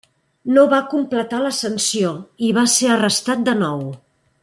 No va completar la sanció i va ser arrestat de nou.